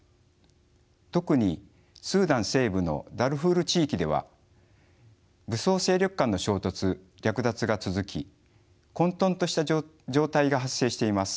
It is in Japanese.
特にスーダン西部のダルフール地域では武装勢力間の衝突略奪が続き混とんとした状態が発生しています。